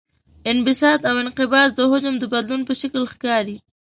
انبساط او انقباض د حجم د بدلون په شکل ښکاري.